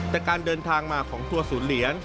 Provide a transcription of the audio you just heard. แต่การเดินทางมาของทัวร์ศูนย์เหรียญ